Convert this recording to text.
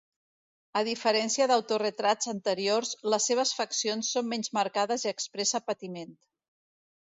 A diferència d'autoretrats anteriors, les seves faccions són menys marcades i expressa patiment.